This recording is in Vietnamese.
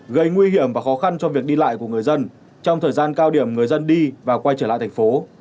gây nguy hiểm và khó khăn cho việc đi lại của người dân trong thời gian cao điểm người dân đi và quay trở lại thành phố